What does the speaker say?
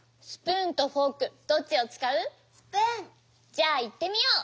じゃあいってみよう。